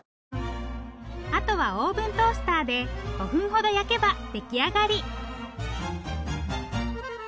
あとはオーブントースターで５分ほど焼けば出来上がり。